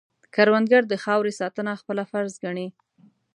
کروندګر د خاورې ساتنه خپله فرض ګڼي